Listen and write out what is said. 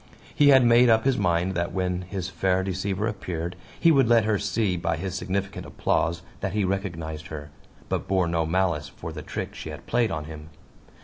He had made up his mind that when his fair deceiver appeared he would let her see by his significant applause that he recognized her, but bore no malice for the trick she had played on him.